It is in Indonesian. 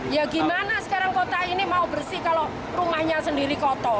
ya gimana sekarang kota ini mau bersih kalau rumahnya sendiri kotor